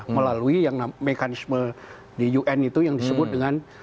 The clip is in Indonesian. melalui yang mekanisme di un itu yang disebut dengan